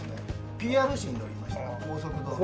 ＰＲ誌に載りました高速道路の。